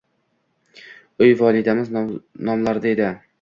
Uy volidamiz nomlarida edi.